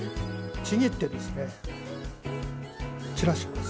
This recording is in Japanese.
ちぎってですね散らします。